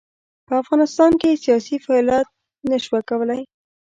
په افغانستان کې یې سیاسي فعالیت نه شوای کولای.